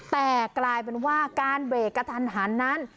แต่กลายเป็นว่าการเบรกกระทันหันนั้น